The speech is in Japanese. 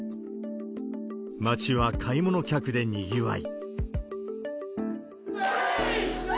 街は買い物客でにぎわい。